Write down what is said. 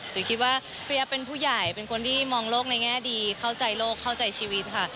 จุ๋ยคิดว่าพี่แอฟเป็นผู้ใหญ่เป็นคนที่มองโลกในแง่ดีเข้าใจโลกเข้าใจชีวิตค่ะ